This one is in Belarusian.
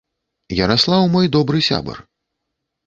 Яраслаў мой добры сябар.